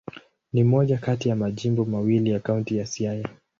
Ni moja kati ya majimbo mawili ya Kaunti ya Siaya.